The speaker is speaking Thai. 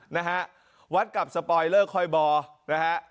นะฮะวัดกับสปอยเลอร์คอยบอร์นะฮะ